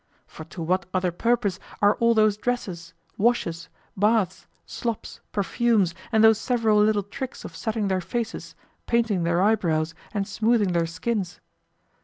For to what other purpose are all those dresses, washes, baths, slops, perfumes, and those several little tricks of setting their faces, painting their eyebrows, and smoothing their skins?